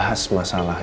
ya udah keluar